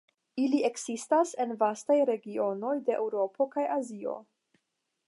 Ili ekzistas en vastaj regionoj de Eŭropo kaj Azio.